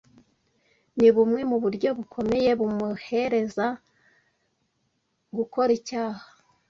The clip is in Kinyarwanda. ni bumwe mu buryo bukomeye bumurehereza gukora icyaha